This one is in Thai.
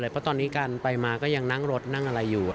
เพราะตอนนี้การไปมาก็ยังนั่งรถนั่งอะไรอยู่